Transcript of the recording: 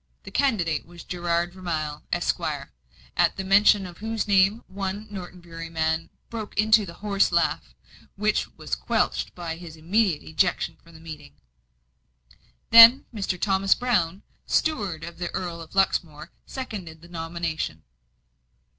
The candidate was Gerard Vermilye, Esquire; at the mention of whose name one Norton Bury man broke into a horse laugh, which was quenched by his immediate ejection from the meeting. Then, Mr. Thomas Brown, steward of the Earl of Luxmore, seconded the nomination.